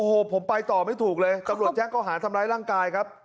โอ้โหผมไปต่อไม่ถูกเลยตำรวจแจ้งเขาหาทำร้ายร่างกายครับ